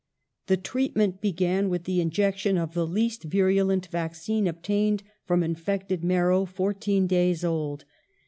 The treatment began with the injection of the least virulent vaccine obtained from infected marrow four teen days old.